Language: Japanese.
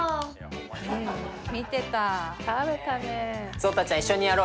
聡太ちゃん一緒にやろうよこれ。